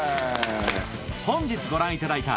本日ご覧いただいた